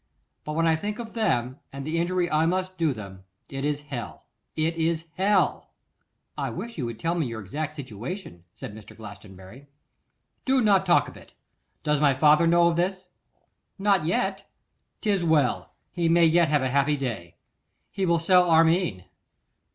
But when I think of them, and the injury I must do them, it is hell, it is hell.' 'I wish you would tell me your exact situation,' said Mr. Glastonbury. 'Do not let us talk of it; does my father know of this?' 'Not yet.' ''Tis well; he may yet have a happy day. He will sell Armine.